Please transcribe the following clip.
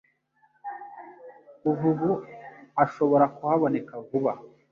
kuva ubu ashobora kuhaboneka vuba